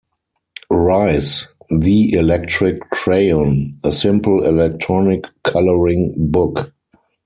Rice, "The Electric Crayon", a simple electronic coloring book.